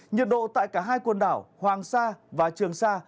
nhiệt độ tại cả hai quần đảo hoàng sa và trường sa